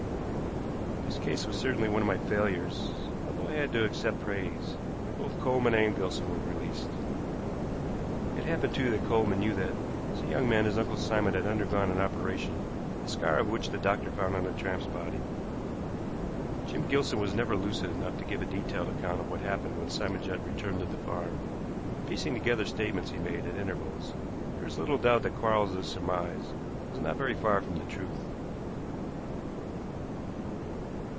This case was certainly one of my failures, although I had to accept praise when both Coleman and Gilson were released. It happened, too, that Coleman knew that, as a young man, his Uncle Simon had undergone an operation, the scar of which the doctor found on the tramp's body. Jim Gilson was never lucid enough to give a detailed account of what happened when Simon Judd returned to the farm, but piecing together statements he made at intervals there is little doubt that Quarles's surmise was not very far from the truth.